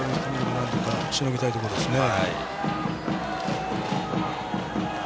なんとかしのぎたいところですね。